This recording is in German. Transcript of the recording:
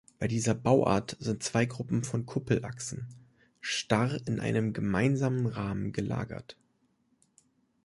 Bei dieser Bauart sind zwei Gruppen von Kuppelachsen starr in einem gemeinsamen Rahmen gelagert.